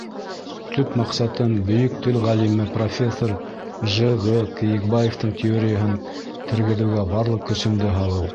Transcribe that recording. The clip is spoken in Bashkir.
Төп маҡсатым — бөйөк тел ғалимы, профессор Ж.Ғ. Кейекбаевтың теорияһын тергеҙеүгә барлыҡ көсөмдө һалыу.